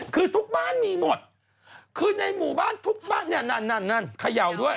คือทุกบ้านมีหมดคือในหมู่บ้านทุกบ้านนั่นขยัวด้วย